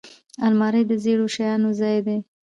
الماري د زړو شیانو ځای کېږي